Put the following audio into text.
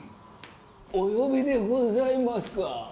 お呼びでございますか？